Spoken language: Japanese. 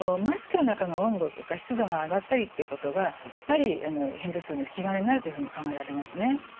マスクの中の温度とか湿度が上がったりっていうことがやはり片頭痛の引き金になるというふうに考えられますね。